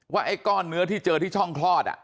ไอ้ก้อนเนื้อที่เจอที่ช่องคลอด